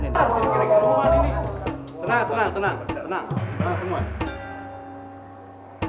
tidak tidak tidak tenang tenang tenang semua